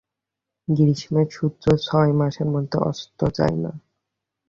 গ্রীষ্মে, সূর্য ছয় মাসের জন্য অস্ত যায় না।